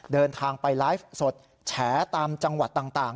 เดินทางไปไลฟ์สดแฉตามจังหวัดต่าง